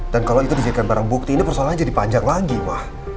dan kalau itu dijadikan barang bukti ini persoalannya jadi panjang lagi ma